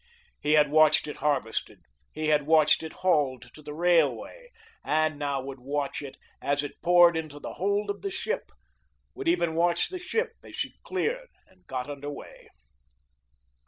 He had watched it harvested, he had watched it hauled to the railway, and now would watch it as it poured into the hold of the ship, would even watch the ship as she cleared and got under way.